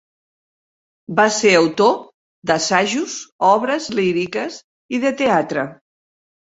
Va ser autor d'assajos, obres líriques i de teatre.